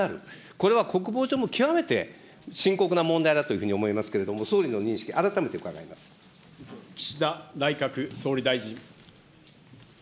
これは国防上極めて深刻な問題だというふうに思いますけれども、岸田内閣総理大臣。